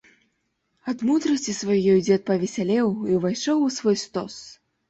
Ад мудрасці сваёй дзед павесялеў і ўвайшоў у свой стос.